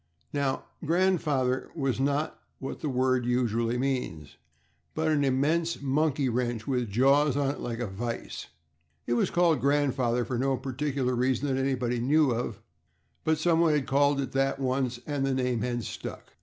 Now, "grandfather" was not what that word usually means, but an immense monkey wrench, with jaws on it like a vise. It was called grandfather for no particular reason that anybody knew of, but someone had called it that once, and the name had stuck.